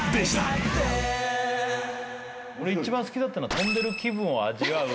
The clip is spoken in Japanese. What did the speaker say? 俺一番好きだったのは飛んでる気分を味わう